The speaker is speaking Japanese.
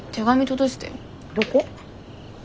どこ？